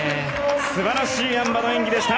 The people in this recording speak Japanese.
素晴らしいあん馬の演技でした。